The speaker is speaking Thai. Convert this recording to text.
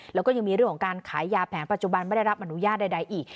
แล้วก็ยังมีเรื่องของการขายยาแผนปัจจุบันไม่ได้รับอนุญาตใดอีก